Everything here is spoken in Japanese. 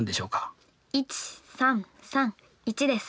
１３３１です。